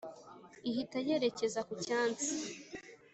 ihita yerekeza ku cyatsi: